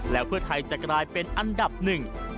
แล้วเพื่อไทยจะกลายเป็นอันดับหนึ่ง